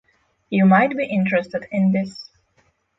You might be interested in this